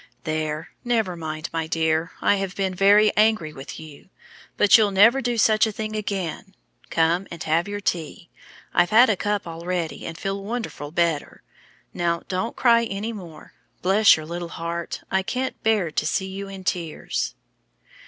"There! never mind, my dear. I have been very angry with you, but you'll never do such a thing again. Come and have your tea. I've had a cup already, and feel wonderful better. Now, don't cry any more; bless your little heart, I can't bear to see you in tears."